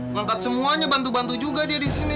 ngangkat semuanya bantu bantu juga dia di sini